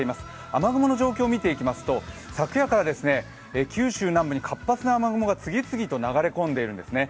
雨雲の状況を見ていきますと昨夜から九州南部に活発な雨雲が次々と流れ込んでいるんですね。